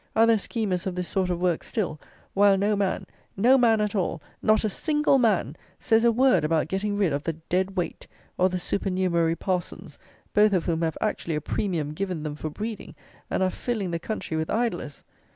Are there schemers of this sort of work still, while no man, no man at all, not a single man, says a word about getting rid of the dead weight, or the supernumerary parsons, both of whom have actually a premium given them for breeding, and are filling the country with idlers?